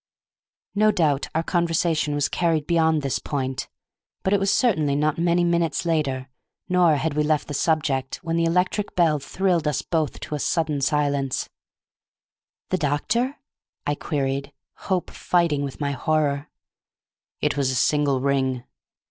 No doubt our conversation was carried beyond this point, but it certainly was not many minutes later, nor had we left the subject, when the electric bell thrilled us both to a sudden silence. "The doctor?" I queried, hope fighting with my horror. "It was a single ring."